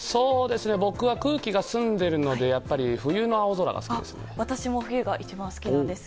僕は空気が澄んでいるのでやっぱり冬の青空が好きです。